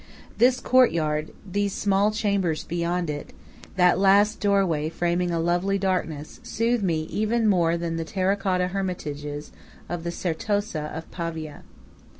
This courtyard, these small chambers beyond it, that last doorway framing a lovely darkness, soothe me even more than the terra cotta hermitages of the Certosa of Pavia.